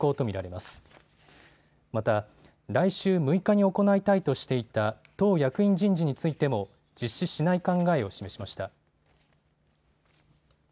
また来週６日に行いたいとしていた党役員人事についても実施しない考えを示しました。